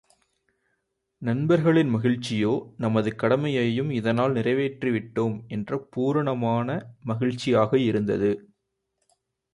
நண்பர்களின் மகிழ்ச்சியோ நமது கடமையையும் இதனால் நிறைவேற்றிவிட்டோம் என்ற பூரணமான மகிழ்ச்சியாக இருந்தது.